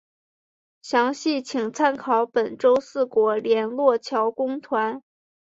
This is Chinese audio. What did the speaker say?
详细请参考本州四国联络桥公团。